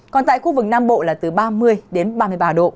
còn tại khu vực nam bộ là từ ba mươi đến ba mươi ba độ